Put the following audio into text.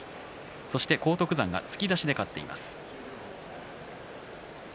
荒篤山が突き出しで勝っています。